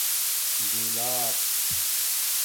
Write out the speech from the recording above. جولپ